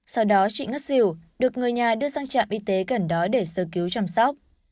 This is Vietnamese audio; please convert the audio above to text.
sau đó chị ngất xỉu được người nhà đưa sang trạm y tế gần đó để sơ cứu chăm sóc